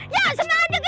ya semangat kiki bisa ya